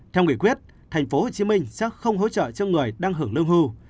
theo nghị quyết thành phố hồ chí minh sẽ không hỗ trợ cho người đang hưởng lương hưu